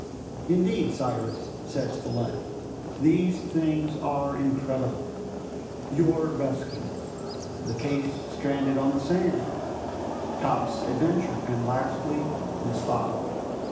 "Indeed, Cyrus," said Spilett, "these things are incredible! Your rescue, the case stranded on the sand, Top's adventure, and lastly this bottle...